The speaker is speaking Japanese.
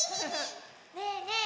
ねえねえ